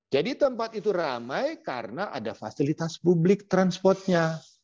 jadi tempat itu ramai karena ada fasilitas publik transportnya